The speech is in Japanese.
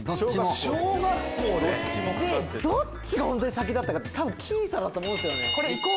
どっちが先だったか多分僅差だと思うんすよね。